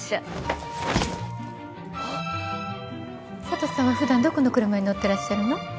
佐都さんは普段どこの車に乗ってらっしゃるの？